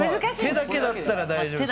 手だけだったら大丈夫。